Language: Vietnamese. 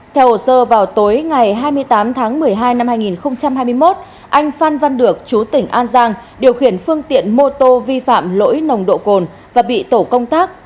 theo hồ sơ vào tối ngày hai mươi tám tháng một mươi hai năm hai nghìn hai mươi một anh phan văn được chú tỉnh an giang điều khiển phương tiện mô tô vi phạm lỗi nồng độ cồn và bị tổ công tác